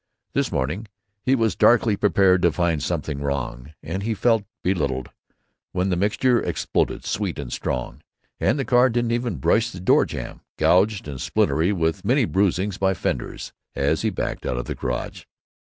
This morning he was darkly prepared to find something wrong, and he felt belittled when the mixture exploded sweet and strong, and the car didn't even brush the door jamb, gouged and splintery with many bruisings by fenders, as he backed out of the garage.